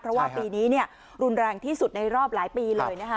เพราะว่าปีนี้รุนแรงที่สุดในรอบหลายปีเลยนะคะ